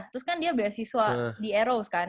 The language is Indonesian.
terus kan dia beasiswa di eros kan